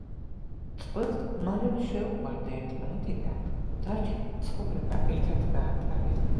წყვილს მალევე შეუყვარდა ერთმანეთი და დარჩენილი ცხოვრება ერთად გაატარეს.